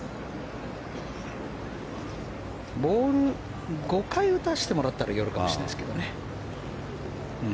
ボール５回打たせてもらったら寄るかもしれないですけどね。